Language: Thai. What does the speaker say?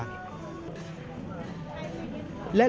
และงำม็งตอนกลผ่านข้าวตอกบางโลก